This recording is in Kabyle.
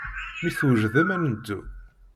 Mi twejdem, ad neddu.